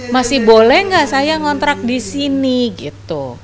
masih boleh gak saya ngontrak disini gitu